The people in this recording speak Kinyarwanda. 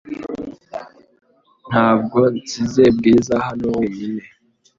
Ntabwo nsize Bwiza hano wenyine .